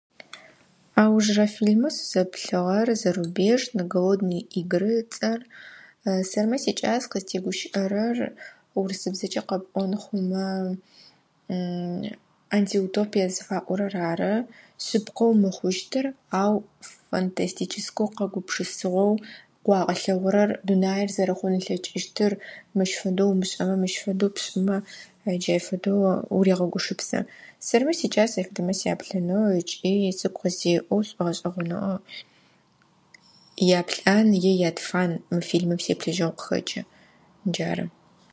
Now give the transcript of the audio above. Аужрэ фильмэ сызэплъыгъэр зэрубежнэ «голодные игры» ыцӏэр. Сэрмэ сикӏас къызтегущыӏэрэр урысыбзэкӏэ къэпӏоны хъумэ «антиутопия» зыфаӏорэр ары. Шъыпкъэу мыхъущтыр ау фантастичиско къэугупщысыгъоу къыуагъэлъэгъурэр. Дунаер зэрэхъун лъэкӏыщтыр. Мыщ фэдэу умышӏэмэ, мыщ фэдэу пшӏымэ. Джай фэдэу урегъэгупшысэ. Сэрмэ сикӏас ащ фэдэмэ сяплъынэу ыкӏи сыгу къыздеӏэу, сшӏогъэшӏэгъонэу. Яплӏан, е ятфан мы фильмым сеплъыжьыгъэу къыхэкӏы. Джары.